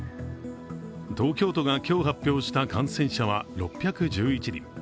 東京都が今日発表した感染者は６１１人。